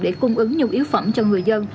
để cung ứng nhu yếu phẩm cho người dân